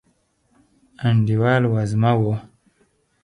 انډیوال وزمه و